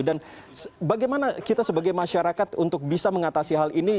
dan bagaimana kita sebagai masyarakat untuk bisa mengatasi hal ini